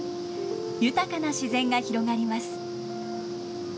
豊かな自然が広がります。